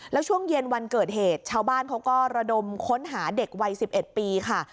แล้วช่วงเย็นวันเกิดเหตุชาวบ้านเขาก็ระดมค้นหาเด็กวัย๑๑ปีค่ะ